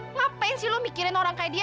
ngapain sih lo mikirin orang kayak dia